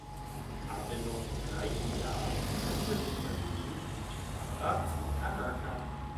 Aber noch im gleichen Jahr trennte sich das Team Fujiwara und Tanaka.